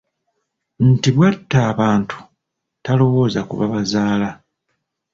Nti Bw'atta abantu talowooza ku babazaala.